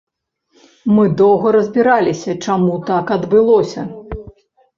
Мы доўга разбіраліся, чаму так адбылося.